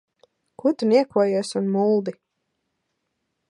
Ko tu niekojies un muldi?